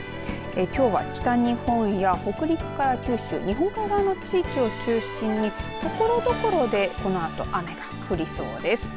きょうは北日本や北陸から九州日本海側の地域を中心にところどころでこのあと雨が降りそうです。